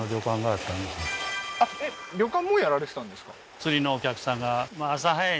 あっ旅館もやられてたんですか？